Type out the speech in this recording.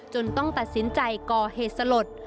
ต้องตัดสินใจก่อเหตุสลด